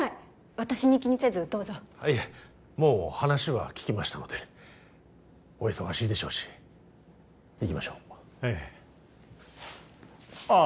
私に気にせずどうぞいえもう話は聞きましたのでお忙しいでしょうし行きましょうええああ